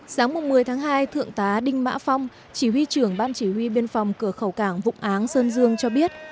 sáng một mươi tháng hai thượng tá đinh mã phong chỉ huy trưởng ban chỉ huy biên phòng cửa khẩu cảng vụ áng sơn dương cho biết